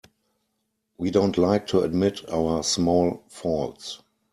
We don't like to admit our small faults.